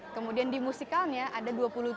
kemudian di musikalnya ada dua puluh tujuh